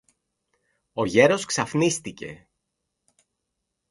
Ο γέρος ξαφνίστηκε.